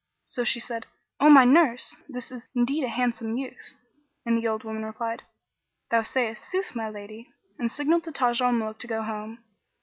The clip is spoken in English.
So she said, "O my nurse! this is indeed a handsome youth;" and the old woman replied, "Thou sayest sooth, O my lady," and signed to Taj al Muluk to go home.